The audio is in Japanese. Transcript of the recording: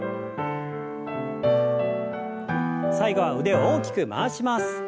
最後は腕を大きく回します。